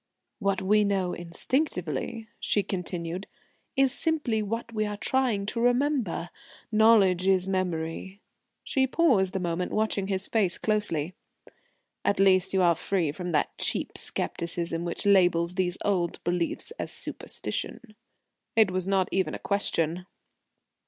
"What we know instinctively," she continued, "is simply what we are trying to remember. Knowledge is memory." She paused a moment watching his face closely. "At least, you are free from that cheap scepticism which labels these old beliefs as superstition." It was not even a question.